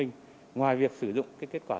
ngoài việc sử dụng cái kết quả